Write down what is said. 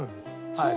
はい。